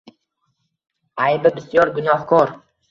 Аybi bisyor gunohkor.